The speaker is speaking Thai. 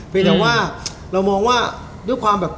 เป็นแต่ว่าเรามองว่าด้วยความแบบ